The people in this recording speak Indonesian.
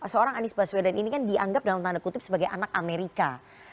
seorang anies baswedan ini kan dianggap dalam tanda kutip sebagai anak amerika